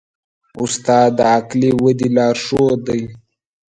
استاد د عقلي ودې لارښود دی.